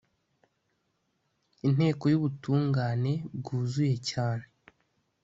inteko yubutungane bwuzuye cyane